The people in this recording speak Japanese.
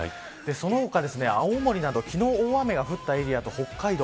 その他、青森などきのう大雨が降ったエリアと北海道